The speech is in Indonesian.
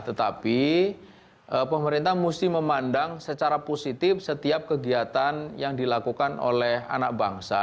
tetapi pemerintah mesti memandang secara positif setiap kegiatan yang dilakukan oleh anak bangsa